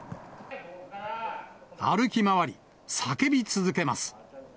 歩き回り、叫び続けます。